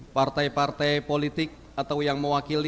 partai partai politik atau yang mewakili